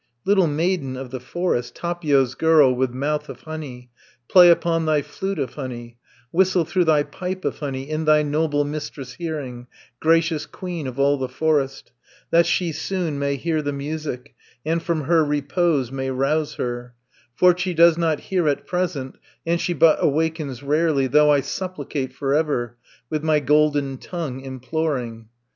"Little maiden of the forest, Tapio's girl, with mouth of honey, Play upon thy flute of honey, Whistle through thy pipe of honey, 70 In thy noble mistress' hearing, Gracious queen of all the forest, That she soon may hear the music, And from her repose may rouse her, For she does not hear at present, And she but awakens rarely, Though I supplicate for ever, With my golden tongue imploring!"